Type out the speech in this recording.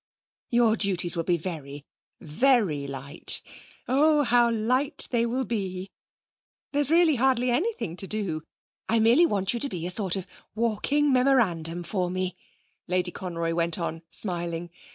Your duties will be very, very light. Oh, how light they will be! There's really hardly anything to do! I merely want you to be a sort of walking memorandum for me,' Lady Conroy went on, smiling.